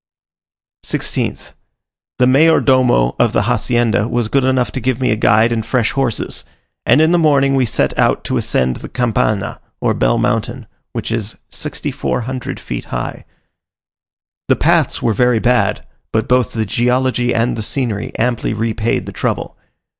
16th. The mayor domo of the Hacienda was good enough to give me a guide and fresh horses; and in the morning we set out to ascend the Campana, or Bell Mountain, which is 6400 feet high. The paths were very bad, but both the geology and scenery amply repaid the trouble.